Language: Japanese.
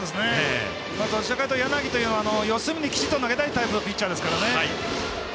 どちらかというと柳というのは四隅にきっちり投げたいタイプのピッチャーですからね。